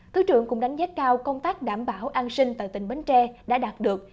thứ trưởng cũng đánh giá cao công tác đảm bảo an sinh tại tỉnh bến tre đã đạt được